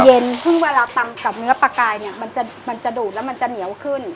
ซึ่งเวลาตำกับเนื้อปลากายเนี่ยมันจะดูดแล้วมันจะเหนียวขึ้น